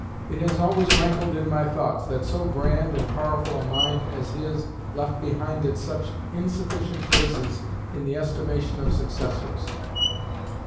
It has always rankled in my thoughts that so grand and powerful a mind as his left behind it such insufficient traces in the estimation of successors."